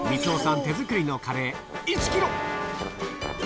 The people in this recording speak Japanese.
手作りのカレー１キ